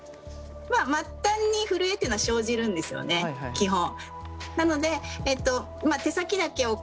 末端に震えっていうのは生じるんですよね基本。